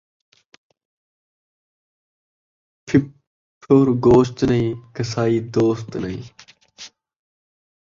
پھپھڑ گوشت نئیں، قصائی دوست نئیں